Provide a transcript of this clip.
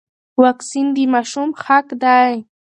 واکسین د ماشوم حق دی.